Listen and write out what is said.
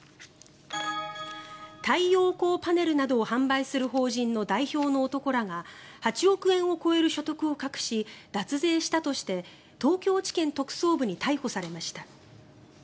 太陽光パネルなどを販売する法人の代表の男らが８億円を超える所得を隠し脱税したとして東京地検特捜部に逮捕されました。